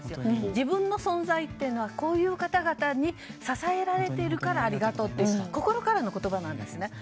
自分の存在はこういう方々に支えられているからありがとうって心からの言葉なんですね。